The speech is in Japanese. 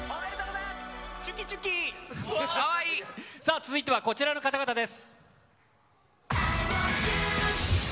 続いてはこちらの方々です。